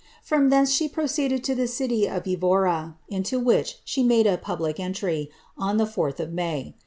From thence she pio* ceeded.to the city of Evora, into which she made a public entiy, on the 4th of May.'